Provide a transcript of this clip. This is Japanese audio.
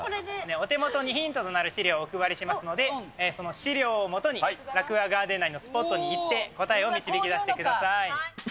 お手元にヒントとなる資料をお配りしますので、その資料を基に、ラクーアガーデン内のスポットに行って答えを導き出してください。